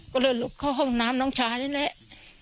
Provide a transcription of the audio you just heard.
ก็เลยหลบเข้าห้องน้ำน้องชายนี่แหละ